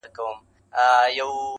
و خاوند لره پیدا یې ورک غمی سو.